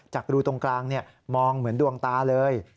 รูตรงกลางมองเหมือนดวงตาเลย